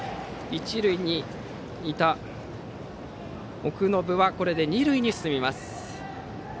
一塁にいた奥信はこれで二塁へ進みます。